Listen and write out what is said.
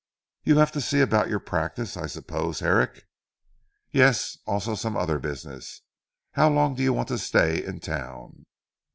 "You have to see about your practice I suppose Herrick?" "Yes. Also some other business. How long do you want to stay in Town?"